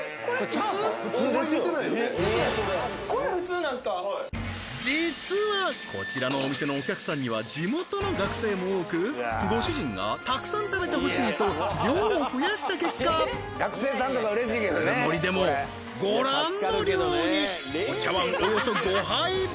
はい実はこちらのお店のお客さんには地元の学生も多くご主人がたくさん食べてほしいと量を増やした結果普通盛でもご覧の量にお茶わんおよそ５杯分！